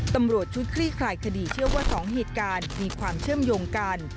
ตำรวจชุดคลี่คลายคดีเชื่อว่า๒เหตุการณ์มีความเชื่อมโยงกัน